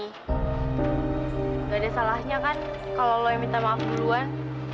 tidak ada salahnya kan kalau lo yang minta maaf duluan